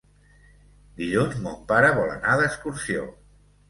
Dilluns mon pare vol anar d'excursió.